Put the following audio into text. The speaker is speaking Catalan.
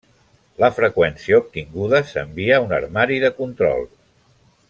La freqüència obtinguda s'envia un armari de control.